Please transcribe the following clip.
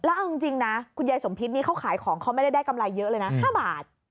แล้วเอาจริงนะคุณยายสมพิษนี่เขาขายของเขาไม่ได้ได้กำไรเยอะเลยนะ๕บาท